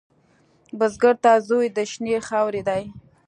بزګر ته زوی د شنې خاورې دی